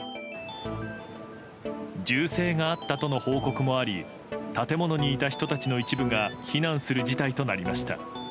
銃声があったとの報告もあり建物にいた人たちの一部が避難する事態となりました。